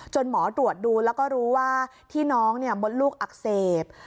หมอตรวจดูแล้วก็รู้ว่าที่น้องมดลูกอักเสบ